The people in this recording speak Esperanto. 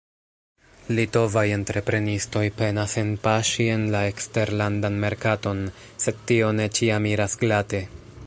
Litovaj entreprenistoj penas enpaŝi en la eksterlandan merkaton, sed tio ne ĉiam iras glate.